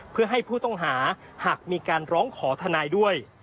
เพื่อให้ผู้ต้องหาหากมีการร้องขอทนายด้วย